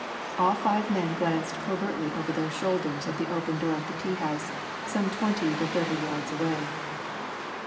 All five men glanced covertly over their shoulders at the open door of the tea house, some twenty to thirty yards away.